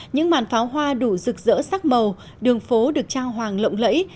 những màn pháo hoa đủ rực rỡ sắc màu đường phố được trang hoàng lộng lẫy